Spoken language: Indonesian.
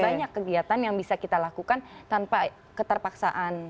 banyak kegiatan yang bisa kita lakukan tanpa keterpaksaan